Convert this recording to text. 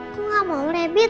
aku gak mau rebit